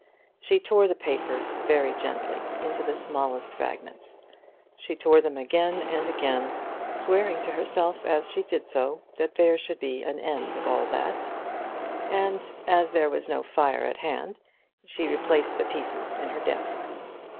She tore the papers, very gently, into the smallest fragments. She tore them again and again, swearing to herself as she did so that there should be an end of all that; and, as there was no fire at hand, she replaced the pieces in her desk.